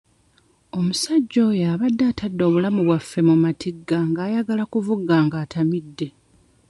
Omusajja oyo abadde atadde obulamu bwaffe mu matigga ng'ayagala kuvuga ng'atamidde.